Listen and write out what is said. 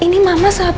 ini mama sahabatnya ya